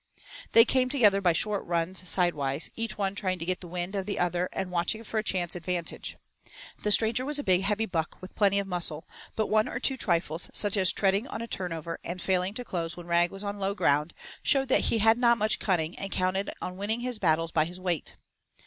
They came together by short runs side wise, each one trying to get the wind of the other and watching for a chance advantage. The stranger was a big, heavy buck with plenty of muscle, but one or two trifles such as treading on a turnover and failing to close when Rag was on low ground showed that he had not much cunning and counted on winning his battles by his weight.